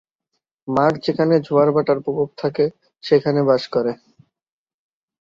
মাঠ যেখানে জোয়ার-ভাটার প্রভাব থাকে সেখানে বাস করে।